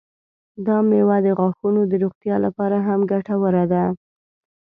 دا میوه د غاښونو د روغتیا لپاره هم ګټوره ده.